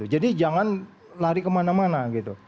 jadi jangan lari kemana mana